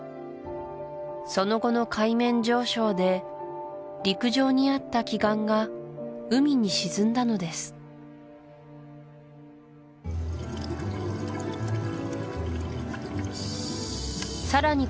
その後の海面上昇で陸上にあった奇岩が海に沈んだのですさらに